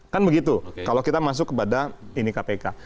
kan begitu kalau kita masuk kepada ini kpk